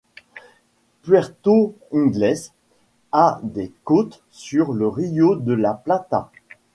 Puerto Inglés a des côtes sur le Río de la Plata.